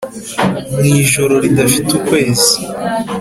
mwijoro ridafite ukwezi